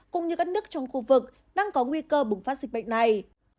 cũng như các nước trong khu vực đang có nguy cơ bùng phát dịch bệnh này